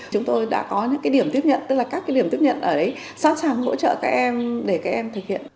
chúng tôi đã có những điểm tiếp nhận tức là các điểm tiếp nhận sẵn sàng hỗ trợ các em để các em thực hiện